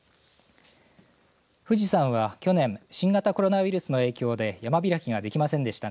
富士山は去年新型コロナウイルスの影響で山開きができませんでした。